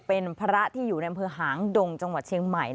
เป็นพระที่อยู่ในอำเภอหางดงจังหวัดเชียงใหม่